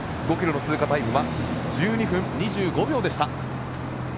５ｋｍの通過タイムは１２分２５秒でした。